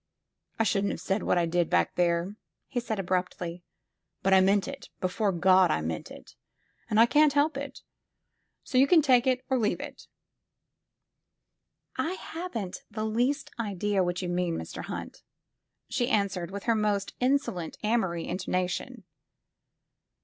*'I shouldn't have said what I did, back there," he said abruptly. '*But I meant it — ^before God, I meant it! And I can't help it. So you can take it or leave it." I haven't the least idea what you mean, Mr. Hunt," she answered with her most insolent Amory intonation.